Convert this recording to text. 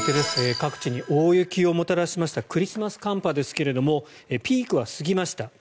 各地に大雪をもたらしましたクリスマス寒波ですがピークは過ぎました。